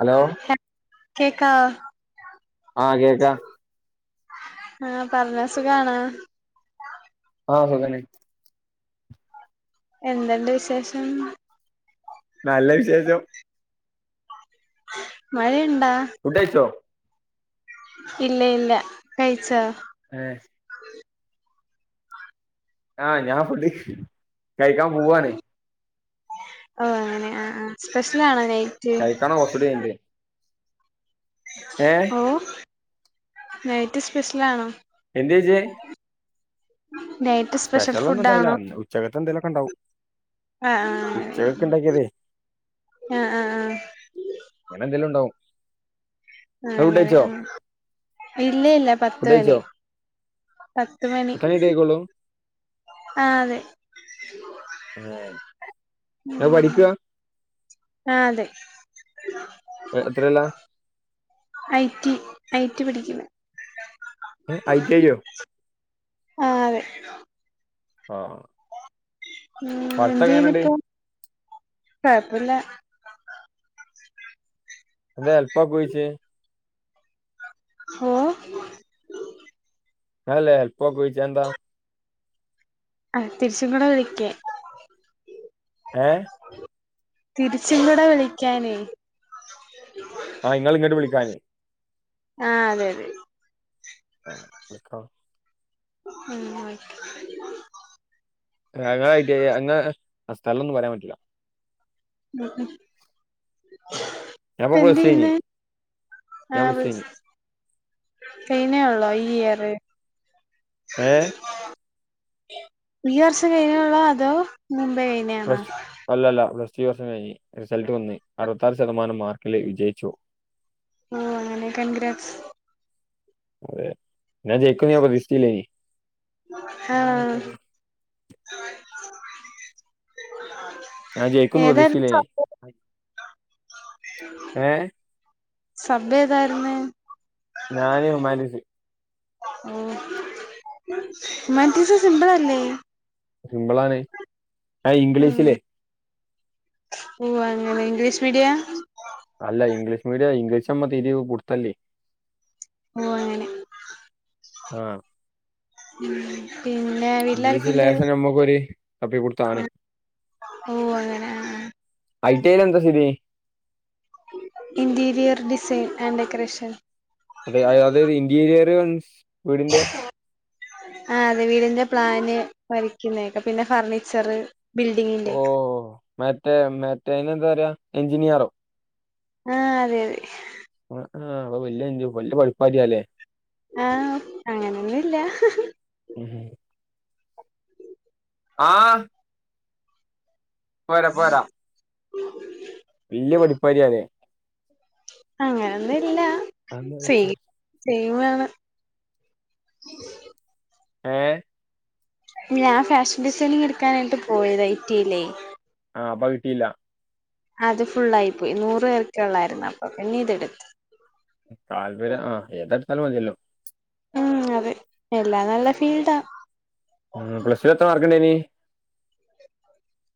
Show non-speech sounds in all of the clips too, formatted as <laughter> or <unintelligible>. hello കേകാവോ ആഹ് കേക്കാം ആഹ പറഞ്ഞോ സുഖയാണോ ആഹ് അങ്ങനെ എന്തണ്ട് വിശേഷം നല്ല വിശേഷം മഴയുണ്ടോ - ഫുഡ്‌ കഴിച്ചോ ഇല്ല ഇല്ല കഴിച്ചോ ആഹ ആഹ് ഞാൻ വെളി കഴിക്കാൻ പോവാണ് ഓ അങ്ങനെ ആ ആ സ്പെഷ്യൽ ആണോ - കഴിക്കണോ ഓസഡയിന്റെ <unintelligible> ഓ നൈറ്റ് സ്പെഷ്യൽ ആണോ എേജെ <unintelligible> നൈറ്റ് സ്പെഷ്യൽ ഒന്നും ഉണ്ടാവില്ല ഫുഡാണോ ഉച്ചകത്തെ എന്തേലുമൊക്കെ ഉണ്ടാവും ആഹ ഉച്ചക്കക്ക് ആഹ ഇണ്ടാക്കിയതേ ആഹ ആഹ ആഹ ഇങ്ങനെ എന്തെലും ഉണ്ടാവും ആ ഇങ്ങള് ഫുഡ് അങ്ങനെ കഴിച്ചോ ആ ഇല്ല ഇല്ല പത്ത ഫുഡ് മണി കഴിച്ചോ പത്ത് മണി എത്ര കഴിഞ്ഞിട്ടേ കഴിക്കൊള്ളൂ ആ അതെ അതെ ഞാൻ പഠിക്ക <unintelligible> എത്രല്ല ഐട്ടി പഠിക്കുന്ന് ഏ ഐടിഐ യ്യോ ആഹ് അതെ ആ ഉ എന്തെയുന്നു ഇപ്പോ കൊഴപ്പല്ല എന്ത ഹെൽപാക്കോയ് ചൊയ്ച്ചെ ഉം ഇങ്ങളല്ലേ എൽപാകോ ചോയിച്ച അതെന്താ ആ തിരിച്ചും കൂടെ വിളിക്കേ ഏ തിരിച്ച കൂടെ വിളിക്കാനേ ആഹ ഇങ്ങൾ ഇങ്ങട്ട് വിളിക്കാനേ ആ അതെ അതെ ആ വിളിക്കാം ഉം ഓക്കെ ആ ഇങ്ങള് ഐടിയലാ അങ്ങന ആ സ്ഥലന്നും പറയാൻ പറ്റൂല്ല ഉം ഞാനിപ്പോ പ്ലസ് ടു കഴിഞ്ഞ് എന്തയ്യുന്ന് ഞാൻ ആഹ പ്ലസ് ടു വിളി കഴിഞ്ഞ് കഴിഞ്ഞേ ഉള്ളോ ഈ ഇയറ് ഏ ഈ വർഷം കഴിഞ്ഞേള്ളു അതോ മുമ്പേ കഴിഞ്ഞ ആണോ കുറച്ച വർഷം കഴിഞ് റിസൾട്ട് വന്ന് അറുപത്താറ് ശതമാനം മാർക്കിൽ വിജയിച്ചു ഓ അങ്ങനെ കൺഗ്രാസ് അതെ ഞാൻ ജയിക്കുന്ന് ഞാൻ പ്രതീക്ഷിച്ചില്ലേനി ആ ഞാൻ ജയിക്കും ഏതായാലും പ്രതീക്ഷിച്ചില്ല സ ഇനി ഏ സബ് ഏതായിരുന്നേ ഞാന് ഹുമാറ്റിസ് ഉമറ്റീസ് സിമ്പിൾ അല്ലേ സിമ്പിളാണ് ആ ഇംഗ്ലീഷിലേ ഓ അങ്ങനെ ഇംഗ്ലീഷ് മീഡിയ അല്ല ഇംഗ്ലീഷ് മീഡിയം ഇംഗ്ലീഷ് അമ്മക്ക് തീരെ പുടുത്തല്ലേ ഓ അങ്ങനെ ആ ഉ പിന്നെ ഇംഗ്ലീഷ് വീട്ടിലാരെക്കെണ്ട് ലേശം നമുക്കൊരു തപ്പി കൊടുത്താണ് ഓ അങ്ങണെ ആ ഐടി ഐൽ എന്താ സഥിതി ഇന്റീരിയർ ഡിസൈൻ ആൻഡ് ഡെക്കറേഷൻ അതെ അ അതായത് ഇന്റീരിയർ മീൻസ് വേടിന്റെ ആ അതെ വീടിന്റെ പ്ലാന് വരക്കുന്നക്കെ പിന്നെ ഫർണിച്ചറ് ബിൽഡിങ്ങിന്റെ ഓ മറ്റേ മേറ്റേ ഐനെന്താ പറയാ എഞ്ചിനീയറോ ആ അതെ അതെ ആ ആ അപ്പൊ വല്യ എൻജി പഠിപ്പല്ലേ ആഹഅങ്ങനൊന്നുല്ല ഉ ആ ഇപ്പ വരാ ഇപ്പ വരാ അങ്ങനൊന്നുല്ല അന്ന് കുറച്ച് ചെയ്യ ചെയ്യയാണ് ഉ ഏ ഞാൻ ഫാഷൻ ഡിസൈനിങ് എടുക്കാനായിട്ട് പോയത് ഐറ്റിയിലേ ആഹ അപ്പ കിട്ടിയില്ല അത് ഫുൾായി പോയി നൂറ പേർക്കെ ഉള്ളായിരുന്നു അപ്പൊ പിന്നെ ഇതെടുത്തു താല്പര്യം ആഹ ഏതാരു സ്ഥലം മതിയല്ലോ ഉം അതെ എല്ലാം നല്ല ഫീൽഡാ ഉം് പ്ലസ്വിത്ര മാർക്കണ്ടേനി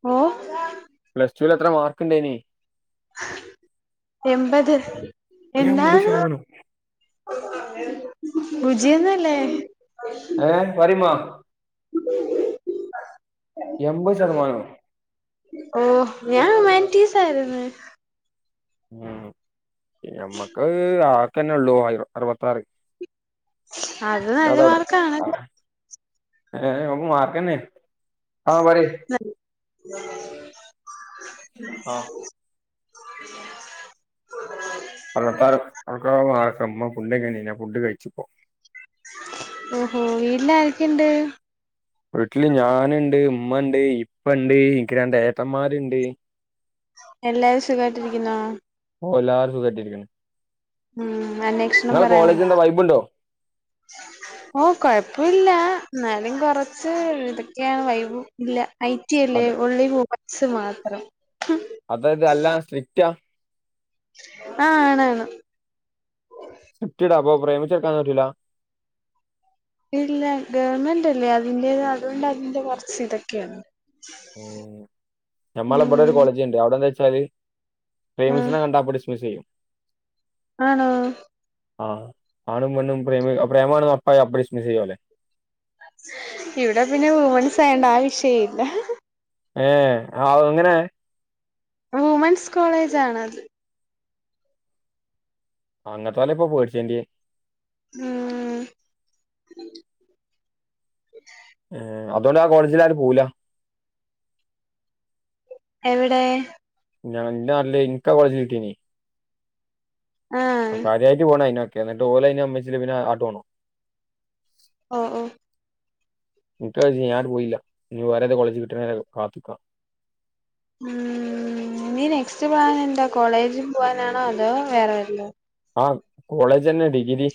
ഓ പ്ലസ് ടുൂവിൽ എത്ര മാർക്ക്ുണ്ടേനി എപത് എൺപത് എന്നാൽ ശതമാനം ഭുചിയന്നല്ലേ ഏ വരമാ ഓ ഞാൻ സായത ഉ മ്മക്ക് ആക്കന്നെ ഉള്ളൂ ആയി അറുപത്താറ് അത് നല്ല അതവിടെ മാർക്കാണല്ലേ ഏ ഒ മാർക്കന്നെ ആ പറ ഉ ആഹ <unintelligible> പള്ളത്താർക്ക ആക്കമ്മ ഫുൊക്ക ഫുഡ് കഴിച്ചുപ്പോ ഓഹോ വീല്ല ആർക്കെയുണ്ട് വീട്ടില് ഞാനുണ്ട് ഉമ്മ ഉണ്ട് ഇപ്പ ഇണ്ട് എനിക്ക് രന്റെ ഏട്ടന്മാരുണ്ട് എല്ലാവസും കാട്ടിരിക്കുന്നോ ഓ എല്ലരും സുഖ കട്ടിയിരിക്കുന്നു ഉം അന്വേഷണം പറയണേ എന്താ വൈബുണ്ടോ ഓ കൊഴപ്പില്ല എന്നാലും കുറച്ച് ഇതൊക്കെയാണ് വൈവവും ഇല്ല ഐടി അല്ലേ അതെ ഉള്ളി പോ മാത്രം അതായത് അല്ല സ്ട്രിക്റ്റ ആഹ ആണണ് സടാ അപ്പൊ പ്രേമിച്ചെടുക്കാിട്ടില്ല ഇല്ല ഗവൺമെന്റ്ല്ലേ അതിന്റെത് അതുകൊണ്ട് അതിന്റെ കുറച്ച് ഇതൊക്കെയാണ് ഉ നഞമ്മള ഇവിടെ ഒരു ഉം കോളേജ് ഉണ്ട് അവിടെന്താ വെച്ചാല് ആ പ്രേമിച്ചിനെ കണ്ടാപ്പോ ഡിസ്മിസ് ചെയ്യും ആണോ ആഹ ആണും പണ്ണും പ്രേമി പ്രേമാണും അപ്പായ അപ്രസ്മിസ് ചെയ്യ പോലെ ഇവിടെ പിന്നെ വമൺസ് ആയണ്ട ആ വിഷയ ഇല്ല ഏ ആ അങ്ങനെ വുമൻസ് കോളേജ ആണത് അങ്ങനത്തെ പോല ഇപ്പൊ പേടിച്ചേന്ന്റെ ഉം ഏർ അതുകൊണ്ട് ആ കോളേജില ആും പോവല എവിടെ ഞാൻാല്ല ഇനിക്കാ കോളേജിൽ കിട്ടീന ആ കാര്യമായിട്ട് പോണ അതിനക്കെ എന്നിട്ട് പോഓലെ അ അമ്മച്ച പിന്നെ ആട്ട് പോണോ <unintelligible> <unintelligible> ഞാൻ പോയില്ല നീ വേറെത കോളേജ് കിട്ടണ കാത്തക്കാം ഉം നീ നെക്സ്റ്റ് പ്ലൻ എന്താ കോളേജിൽ പോവാനാണോ അതോ വേറെ വല്ല ആ കോളേജ് ന്നെ ഡിഗ്രി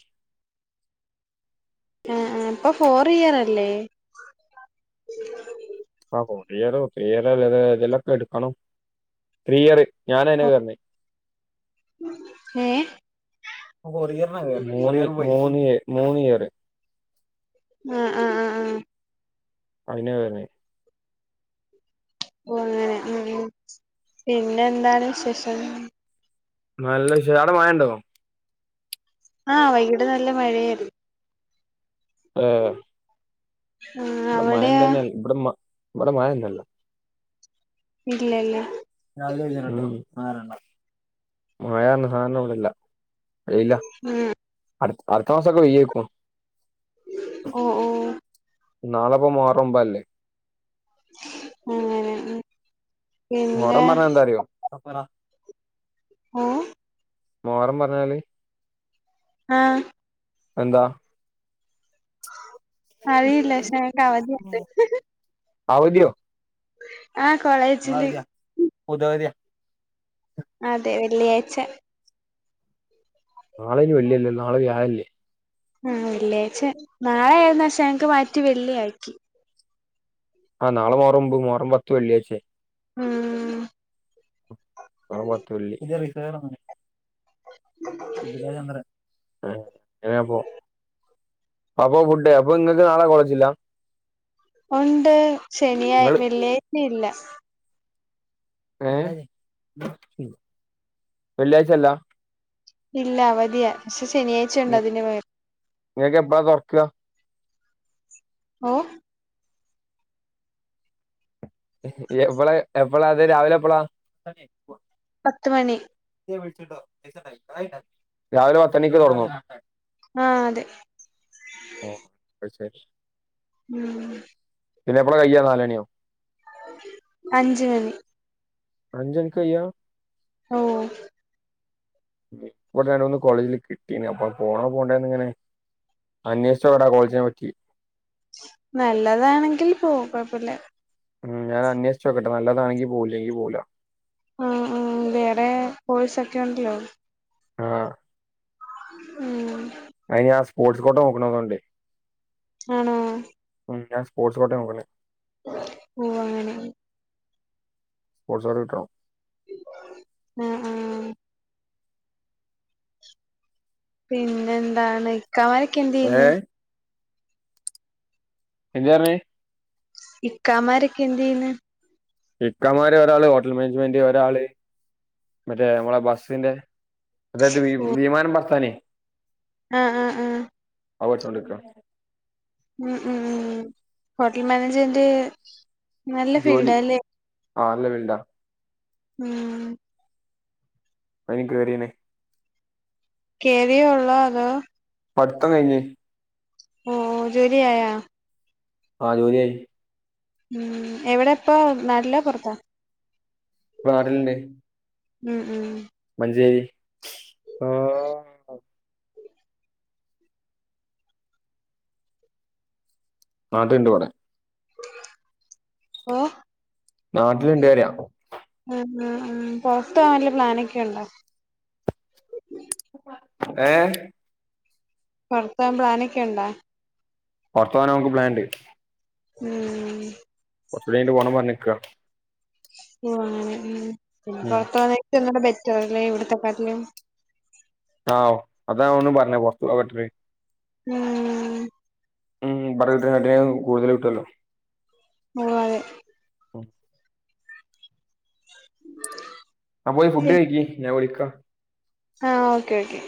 ആ ആ ഇപ്പൊ ഫോർ ഇയർ അല്ലേ <unintelligible> എടുക്കണം ത്രീയർ ഞാനയിനാ കേറിനെ ഏ കൊറിയർന്നാ വരുന്നേ ഉം മൂന്നിയറ് ആ ആ ആ ആ അയിനാ വരനെ ഓ അങ്ങനെ ഉം പിന്നെ എന്താണ് വിശേഷം നല്ല വിശേഷം ആടെ മയണ്ടോ ആഹ വൈകിട്ട് നല്ല മഴയായിരുന്നു ഏഹ് ആ ഇവിടെ മയം അവിടെയാ തന്നെയില്ല ഇവിടെമ് ഇവിടെ മഴഇല്ലാലോ ഇല്ല ല്ലാ <unintelligible> മഴ ന്ന് പറഞ്ഞ സാദനം ഇവിടെ ഇല്ല വൈയിലാ ഉം അ അടുത്ത മാസൊക്കെ പെയ്യായിരിക്കും ഓ ഓ നാളപ്പോ മുഹറം ഒമ്പത് അല്ലേ ആ അങ്ങനെ മുഹറം പിന്നെ പറഞ്ഞ എന്തറിയോ ഏഹ് മോഹറം പറഞ്ഞാൽ ആഹ് എന്താ അറിയില്ല ക്ഷെ ഞങ്ങൾക് അവധിണ്ട് അവധിയോ ആ കോളേജിൽ പൊതുവതിയ അതെ വെള്ളിയാഴ്ച നാളെ വെള്ളിയാല്ലലോ നാളെ വ്യാഴല്ലേ ആ വെള്ളിയായിച്ച നാളെ ആയിരുന്നു ക്ഷെ ഞങ്ങക്ക് മാറ്റി വെള്ളിയാക്കി ആ നളെ മുഹ്‌റം ഒമ്പത് പത്ത് വെള്ളിയാഴ്ച്ച ആ പത്തു വെള്ളി <unintelligible> അപ്പൊ <unintelligible> നിങ്ങക്ക് നാളെ കോളേജില്ല ഉണ്ട് ശനിയായി നിങ്ങള് വെള്ളിയാഴ്ച ഇല്ല ഏ വെള്ളിയാഴ്ചല്ല ഇല്ല അവധിയ ക്ഷെ ശനിയാഴ്ച ഇണ്ട് അതിന്റെ മേൽ നിങ്ങക്ക് എപ്പഴാ തുറക്കുക ഓ എഹ് എപ്പളാ എപ്പളാ അത് രാവിലെ എപ്പളാ പത്ത് മണി രാവിലെ പത്തണിക്ക് തുടങ്ങും ആ അതെ എ അയിശേരി ഉം പിന്നെ എപ്പളാ കയ്യാ നാലണിയോ അഞ്ചു മണി അഞ്ജണിക്കായ്യാ ഓ ഇവിടെ രണ്ട് മൂന്നു കോളേജില് കിട്ടീണ് അപോ പോണ പോണ്ടേന്ന് ഇങ്ങനെ അന്വേഷിചോക്കട്ടെ കോളേജിനെ പറ്റി നല്ലതാണെങ്കിൽ പോ കുഴപ്പില്ല ഉ ഞാൻ അന്വേഷിച് നോക്കട്ടെ നല്ലതാണെങ്കി പോവും ഇല്ലെങ്കി പോവൂല ആ ഉ വേടെ പോയിസൊക്കെ ഉണ്ടല്ലോ ആ ഉം അയിന് ആ സ്പോർട്സ് കോൂട്ട മുൂക്കണോന്നണ്ടണ്ട് ആണോ ഞാൻ്പോർട്സ് കോട്ടടെ നോക്കനെ ഓ അങ്ങനെ പോ്പട്സ കിട്ടോ ആ ആ പിന്നെ എന്താണ് ഇക്കാമാരൊക്കെ എന്ത് ചെയ്യന്ന് ഏഹ് എചണ ഇക്കാമാരൊക്കെ എന്ത് ചെയ്യന്ന് കക്കമാര് ഒരാള് ഹോട്ടൽ മാനേജ്മെന്റ് ഒരാള് മറ്റേ നമ്മളെ ബസ്സിന്റെ അതത് ഓ വിമാനം പർത്താനേ ആ ആ ആ അവർസണ്ടക്ക ഉ ഉ ഹോട്ടൽ മാനേജ്മെന്റ് നല്ല ജോലി ഫീൽഡല്ലേ ആ അല്ല വണ്ടാ ഉം എനിക്ക് കേയറിയനെ കേറയോ ഉള്ള അതോ പഠിത്തം കഴിഞ്ഞഞ് ഓഓ ജോലി ആയോ ആഹ ജോലിയായി ഉം എവിടെ ഇപ്പ നാട്ടില പുൊറത്താ നാടിലിന്റെറെ ഉം ഉം അതെ <unintelligible> ഉ <unintelligible> ആ നാട്ടിൽ ഉണ്ട് ഇവിടെ ആ നാട്ടില ഇണ്ട്ന്ന് പറയാ ഉ പൊറത്ത് പോവാൻ വലിയ പ്ലാനൊക്കെുണ്ടോ ഏ പുറത്തൻ പ്ലാനൊക്കെയ ഉണ്ടാ പറത്ത പോന്ന നമുക്ക് പ്ലാാന്ണ്ട് ഉം കുറച്ച കൂ പോകണം പറഞ്ഞിക്ക ആ ഉ പിന്നെ ഉം പുറത്തു വന്നട്ട് ചറിനെ ഇവിടത്തെ കാാട്ടിനെയും ആ അതാ ഒന്ന് പറഞ്ഞ പുത്തുട്ടേ ഉം ഉം പറ കിട്ടട്ട കൂടുതൽ കിട്ടുവല്ലോ മ ഉ <unintelligible> <unintelligible> ആ പോയി ഫുഡ് കഴിക്കി ഞാൻ വിളിക്കാം ആഹ ഓക്കെ ഓക്കേ